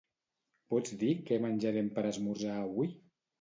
Pots dir què menjarem per esmorzar avui?